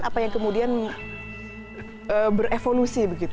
apa yang kemudian berevolusi